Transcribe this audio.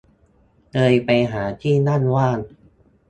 เลยไปหาที่นั่งว่าง